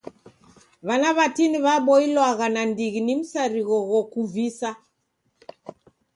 W'ana w'atini w'aboilwagha nandighi ni msarigho ghokuvisa.